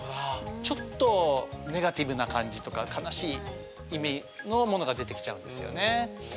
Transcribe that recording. ちょっとネガティブな感じとか悲しい意味のものが出てきちゃうんですよね。